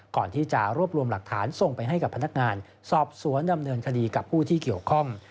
ก่อนที่จะรวบรวมหลักฐานส่งไปให้กับพนักงานสอบสวนดำเนินคดีกับผู้ที่เกี่ยวข้อง